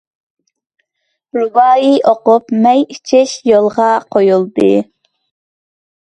رۇبائىي ئوقۇپ، مەي ئىچىش يولغا قويۇلدى.